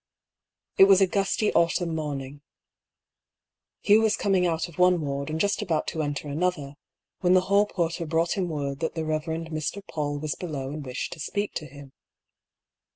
It was a gusty autumn morning. Hugh was coming out of one ward and just about to enter another, when the hall porter brought him word that the Eev. Mr. PauU was below and wished to speak with him.